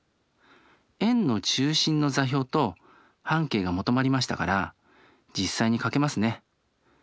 円の中心の座標と半径が求まりましたから実際に描けますね。